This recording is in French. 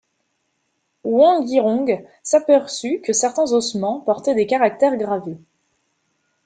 Wang Yirong s'aperçut que certains ossements portaient des caractères gravés.